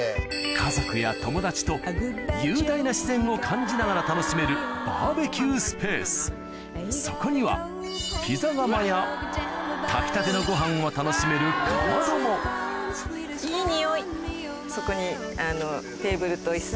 家族や友達と雄大な自然を感じながら楽しめるそこにはピザ窯や炊きたてのご飯を楽しめるかまどもそこにあの。